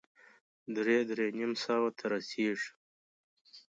درې- درې نيم سوه ته رسېږي.